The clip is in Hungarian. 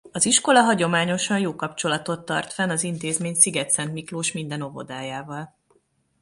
Az iskola hagyományosan jó kapcsolatot tart fenn az intézmény Szigetszentmiklós minden óvodájával.